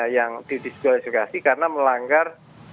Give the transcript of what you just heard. yang didiskualifikasi karena melanggar